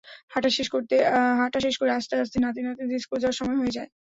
হাঁটা শেষ করে আসতে আসতেই নাতি-নাতনিদের স্কুলে যাওয়ার সময় হয়ে যায়।